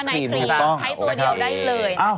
ใช้ตัวเดียวได้เลย